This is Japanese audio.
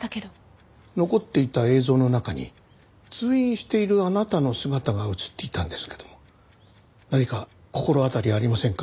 残っていた映像の中に通院しているあなたの姿が映っていたんですけども何か心当たりありませんか？